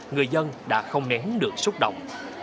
người dân đã không nén được xúc động